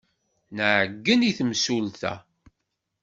Nɛeyyen i temsulta.